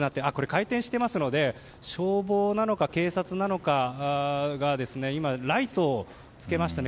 回転していますので消防なのか警察なのかがライトをつけましたね。